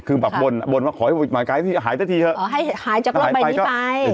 คือแบบบนบนว่าขอให้หายเจอทีเถอะอ๋อให้หายจากรอบใบนี้ไป